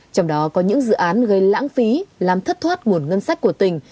trong đó có những dự án gây lãng phí làm thất thoát nguồn ngân sách của tỉnh